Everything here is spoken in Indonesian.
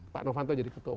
pak novanto jadi ketua